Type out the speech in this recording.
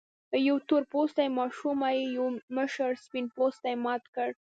يوې تور پوستې ماشومې يو مشر سپين پوستي مات کړ.